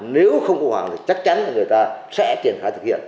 nếu không có khung hoảng thì chắc chắn người ta sẽ triển khai thực hiện